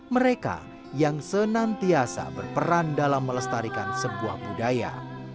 mereka yang senantiasa berperan dalam melestarikan sebuah budaya